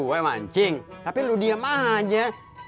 im lu ngajak gue mancing tapi lu diam aja